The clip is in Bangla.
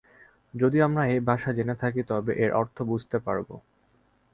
যদি আমরা এই ভাষা জেনে থাকি তবে এর অর্থ বুঝতে পারব।